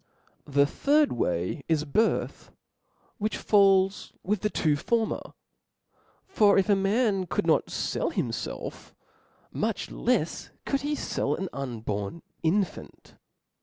The third way is birth , which falls with the two former; for if a man could not fell himfelf, much lefs could he fell an unborn infant.